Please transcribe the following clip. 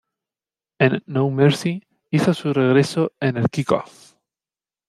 En No Mercy, hizo su regreso en el Kick-Off.